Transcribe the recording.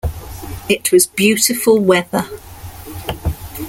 It was beautiful weather.